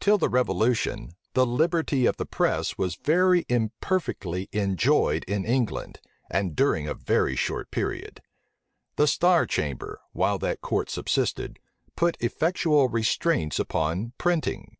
Till the revolution, the liberty of the press was very imperfectly enjoyed in England, and during a very short period. The star chamber, while that court subsisted, put effectual restraints upon printing.